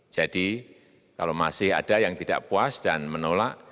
jadi kalau masih ada yang tidak puas dan menolak